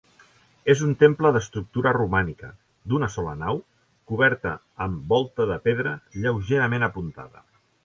És un temple d'estructura romànica, d'una sola nau, coberta amb volta de pedra lleugerament apuntada.